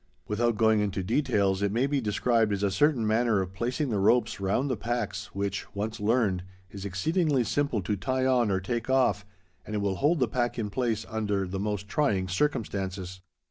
Without going into details, it may be described as a certain manner of placing the ropes round the packs, which, once learned, is exceedingly simple to tie on or take off, and it will hold the pack in place under the most trying circumstances.